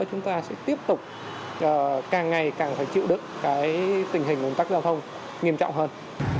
chúng ta sẽ tiếp tục càng ngày càng phải chịu được tình hình tắc giao thông nghiêm trọng hơn